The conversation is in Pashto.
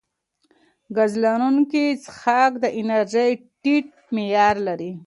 ګاز لرونکي څښاک د انرژۍ ټیټ معیار لري.